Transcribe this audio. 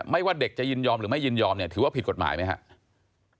ว่าเด็กจะยินยอมหรือไม่ยินยอมเนี่ยถือว่าผิดกฎหมายไหมครับ